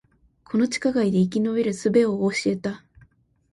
この地下街で生き延びる術を教えた